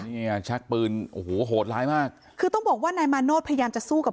เนี่ยชักปืนโอ้โหโหดร้ายมากคือต้องบอกว่านายมาโนธพยายามจะสู้กับ